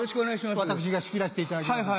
私が仕切らせていただきます。